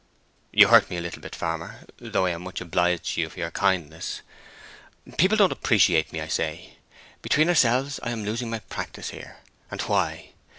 "You hurt me a little, farmer—though I am much obliged to you for your kindness. People don't appreciate me, I say. Between ourselves, I am losing my practice here; and why?